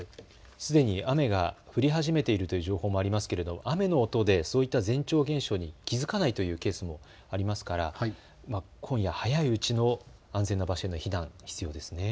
すでに雨が降り始めているという情報もありますが雨の音でそういった前兆現象に気付かないというケースもありますから今夜早いうちの安全な場所への避難、必要ですね。